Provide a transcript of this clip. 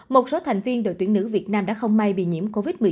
một số thành viên đội tuyển nữ việt nam đã không may bị nhiễm covid một mươi chín